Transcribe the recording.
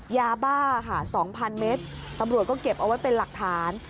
ยาบ้าค่ะ๒๐๐เมตรตำรวจก็เก็บเอาไว้เป็นหลักฐาน